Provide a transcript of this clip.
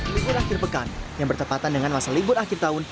libur akhir pekan yang bertepatan dengan masa libur akhir tahun